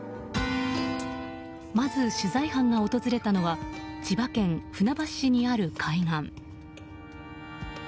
まず、取材班が訪れたのは千葉県船橋市にある海岸。